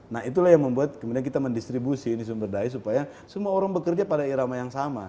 nah itulah yang membuat kemudian kita mendistribusi ini sumber daya supaya semua orang bekerja pada irama yang sama